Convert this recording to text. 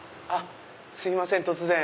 すいません突然。